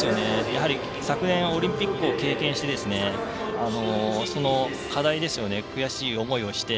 やはり昨年オリンピックを経験してその課題ですよね悔しい思いをして。